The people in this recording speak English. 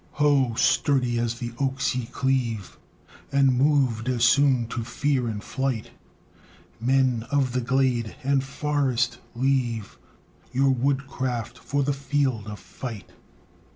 Ho! sturdy as the oaks ye cleave, And moved as soon to fear and flight, Men of the glade and forest! leave Your woodcraft for the field of fight.